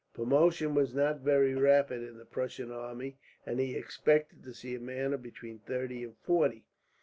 Promotion was not very rapid in the Prussian army, and he had expected to see a man of between thirty and forty.